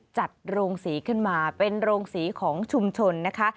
จัดโรงสีขึ้นมาเป็นโรงสีของชุมชนนะคะ